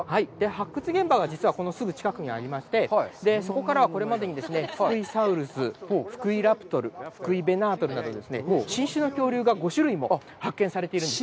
発掘現場がすぐそこにありまして、そこから、これまでにフクイサウルス、フクイラプトル、フクイベナートルなど、新種の恐竜が５種類も発見されているんですよ。